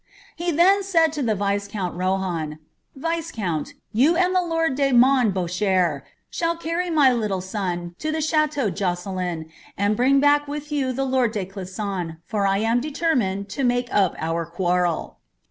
He then said to the viscount Rohu). Viscount, you and the lord de Monboucher shall carry my little aon lo the chateau Josseliu, and bring back with you the lord tie ClisBon, for I am determined to make up our quarrel."